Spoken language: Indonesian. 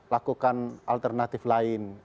lakukan alternatif lain